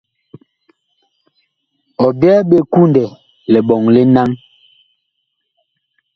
Ɔ byɛɛ ɓe kundɛ liɓɔŋ li naŋ.